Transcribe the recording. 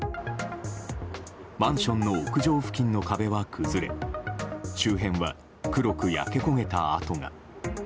マンションの屋上付近の壁は崩れ周辺は、黒く焼け焦げた跡が。